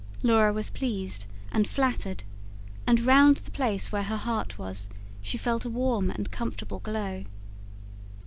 Laura was pleased, and flattered, and round the place where her heart was, she felt a warm and comfortable glow.